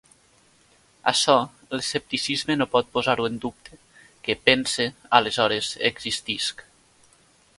Açò, l'escepticisme no pot posar-ho en dubte: que «pense, aleshores existisc».